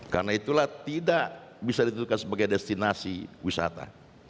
karena itulah tidak bisa ditentukan sebagai destinasi wisata